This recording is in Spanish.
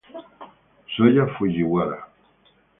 Soya Fujiwara